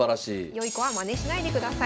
良い子はまねしないでください。